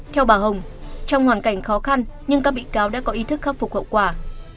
theo bà hồng trong hoàn cảnh khó khăn nhưng các bị cáo đã có ý thức khắc phục hậu quả